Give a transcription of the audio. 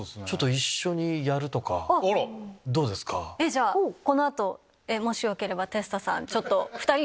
じゃあこの後もしよければテスタさん。